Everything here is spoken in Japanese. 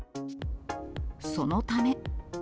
そのため。